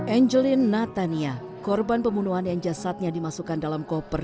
angelin natania korban pembunuhan yang jasadnya dimasukkan dalam koper